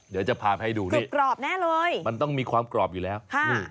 เดี๋ยวจะพาให้ดูนี่นี่มันต้องมีความกรอบอยู่แล้วนี่